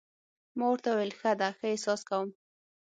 ما ورته وویل: ښه ده، ښه احساس کوم.